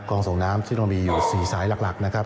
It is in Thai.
ครองส่งน้ำที่ต้องมีอยู่๔สายหลักนะครับ